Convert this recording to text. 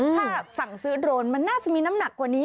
ถ้าสั่งซื้อโดรนมันน่าจะมีน้ำหนักกว่านี้